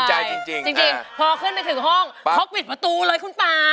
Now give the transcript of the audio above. จริงพอขึ้นไปถึงห้องเขาปิดประตูเลยคุณป่า